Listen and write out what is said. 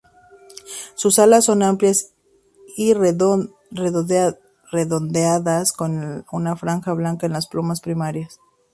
Sus alas son amplias y redondeadas con una franja blanca en las plumas primarias.